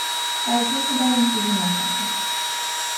ترجیح میدم اون چیزی نفهمه